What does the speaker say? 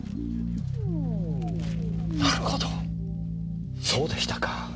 なるほどそうでしたか。